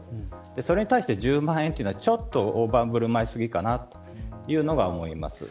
それに対して１０万円というのはちょっと大盤振る舞い過ぎかなと思います。